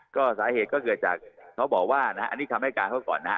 ก็สาเหตุก็เกิดจากเขาบอกว่านะฮะอันนี้คำให้การเขาก่อนนะฮะ